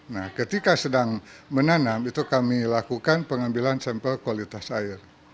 nah ketika sedang menanam itu kami lakukan pengambilan sampel kualitas air